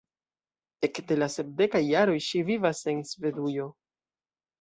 Ekde la sepdekaj jaroj ŝi vivas en Svedujo.